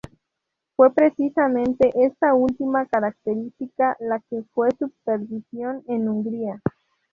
Fue precisamente esta última característica la que fue su perdición en Hungría.